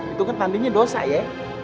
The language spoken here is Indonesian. itu kan nantinya dosa ya